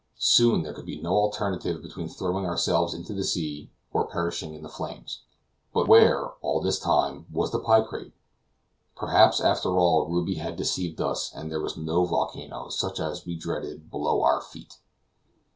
Soon there could be no alternative between throwing ourselves into the sea, or perishing in the flames. But where, all this time, was the picrate? Perhaps, after all, Ruby had deceived us and there was no volcano, such as we dreaded, below our feet.